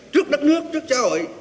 trước đất nước trước cha hội